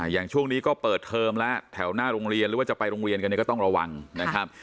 อย่างช่วงนี้ก็เปิดเทอมแล้วแถวหน้าโรงเรียนหรือว่าจะไปโรงเรียนกันเนี่ยก็ต้องระวังนะครับ